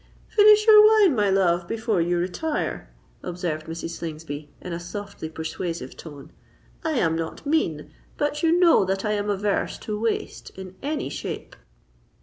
"Finish your wine, my love, before you retire," observed Mrs. Slingsby, in a softly persuasive tone: "I am not mean, but you know that I am averse to waste in any shape."